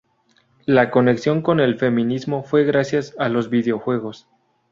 la conexión con el feminismo fue gracias a los videojuegos